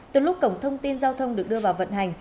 từ lúc cổng thông tin giao thông được đưa vào vận hành